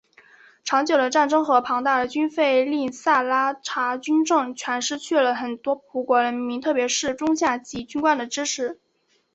长久的战争和庞大的军费令萨拉查军政权失去了很多葡国人民特别是中下级军官的支持。